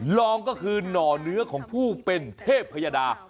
รองก็คือหน่อเนื้อของผู้เป็นเทพยดา